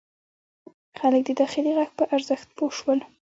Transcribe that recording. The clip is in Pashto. خلک د داخلي غږ په ارزښت پوه شول.